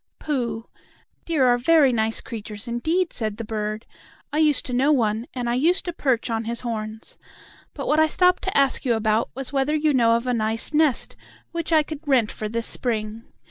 "Pooh! Deer are very nice creatures indeed," said the bird. "I used to know one, and I used to perch on his horns. But what I stopped to ask you about was whether you know of a nice nest which I could rent for this spring.